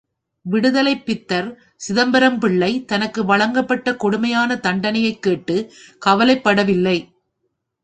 விடுதலைப் பித்தர் சிதம்பரம் பிள்ளை தனக்கு வழங்கப்பட்ட கொடுமையான தண்டனையைக் கேட்டு கவலைப்படவில்லை.